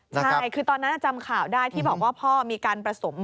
ใช่คือตอนนั้นจำข่าวได้ที่บอกว่าพ่อมีการผสม